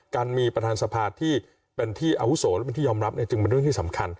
การมีประธานสภาที่เป็นที่อาวุโสและเป็นที่ยอมรับจึงเป็นเรื่องที่สำคัญ